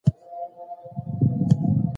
له بدو ملګرو وتښتئ.